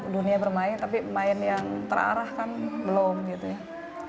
dunia bermain tapi main yang terarah kan belum gitu ya